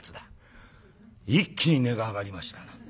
「一気に値が上がりましたな。